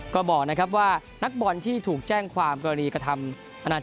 ก็บอกว่านักบอลที่ถูกแจ้งความกรณีกระทำ